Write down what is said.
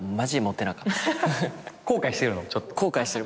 後悔してる。